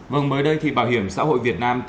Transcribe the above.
vâng mới đây thì bảo hiểm xã hội việt nam